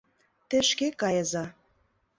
— Те шке кайыза!